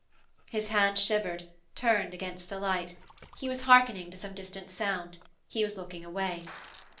His hand shivered, turned against the light. He was hearkening to some distant sound. He was looking away.